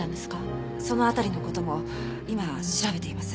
その辺りの事も今調べています。